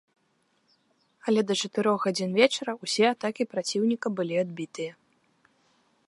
Але да чатырох гадзін вечара ўсе атакі праціўніка, былі адбітыя.